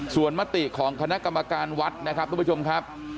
ส่วนมติของคณะกรรมการวัดนะครับทุกผู้ชมครับ